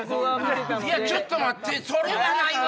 ちょっと待ってそれはないわ！